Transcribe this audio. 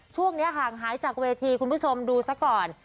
ช่วงนี้ห่างหายจากเวทีคุณผู้ชมดูซะก่อน